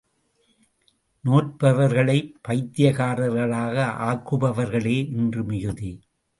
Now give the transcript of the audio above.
நோற்பவர்களைப் பைத்தியக்காரர்களாக ஆக்குபவர்களே இன்று மிகுதி.